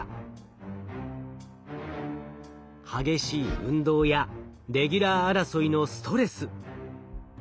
激しい運動やレギュラー争いのストレス。